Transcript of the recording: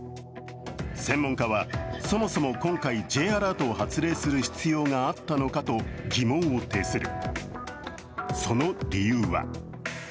専門家はそもそも今回、Ｊアラートを発令する必要があったのかと疑問を呈する。